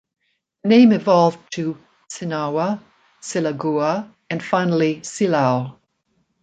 The name evolved to 'Sinaua', 'Silagua' and finally 'Silao'.